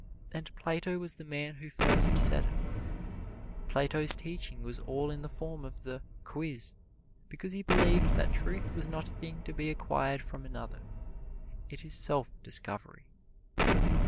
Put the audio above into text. And Plato was the man who first said it. Plato's teaching was all in the form of the "quiz," because he believed that truth was not a thing to be acquired from another it is self discovery.